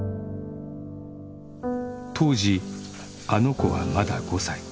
当時「あの子」はまだ５歳